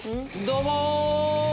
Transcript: どうも！